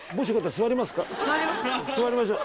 座りましょう。